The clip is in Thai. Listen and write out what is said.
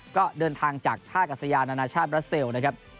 ก็เดินทางจากท่ากัศยานานาชาติบราเซลนะครับ